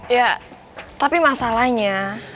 ya tapi masalahnya